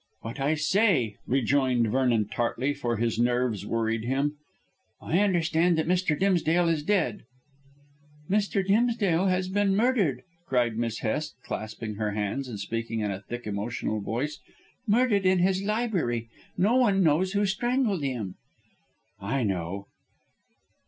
"What I say," rejoined Vernon tartly, for his nerves worried him. "I understand that Mr. Dimsdale is dead." "Mr. Dimsdale has been murdered," cried Miss Hest, clasping her hands and speaking in a thick, emotional voice. "Murdered in his library. No one knows who strangled him." "I know."